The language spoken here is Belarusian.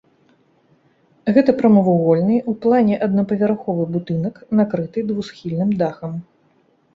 Гэта прамавугольны ў плане аднапавярховы будынак, накрыты двухсхільным дахам.